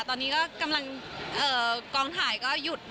ตอนนี้ก็กำลังกองถ่ายก็หยุด